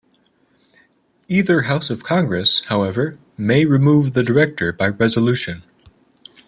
Either house of Congress, however, may remove the director by resolution.